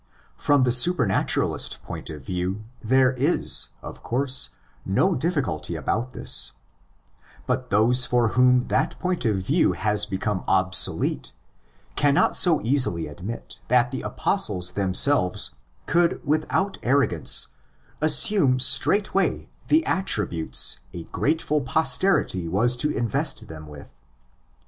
From the supernaturalist point of view there is, of course, no difficulty about this; but those for whom that point of view has become obsolete cannot so easily admit that the Apostles themselves could without arrogance assume straightway the attri butes a grateful posterity was to invest them with.